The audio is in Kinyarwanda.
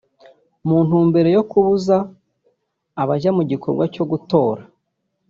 mu ntumbero yo kubuza abajya mu gikorwa cyo gutora